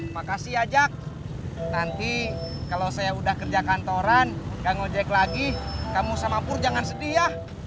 makasih aja nanti kalau saya udah kerja kantoran gak ngejek lagi kamu sama pur jangan sedih ya